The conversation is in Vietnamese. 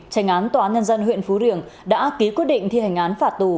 tranh án tòa án nhân dân huyện phú riềng đã ký quyết định thi hành án phạt tù